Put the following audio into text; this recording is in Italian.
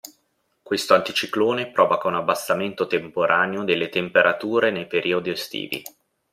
Questo anticiclone provoca un abbassamento temporaneo delle temperature nei periodi estivi.